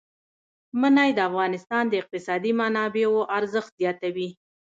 منی د افغانستان د اقتصادي منابعو ارزښت زیاتوي.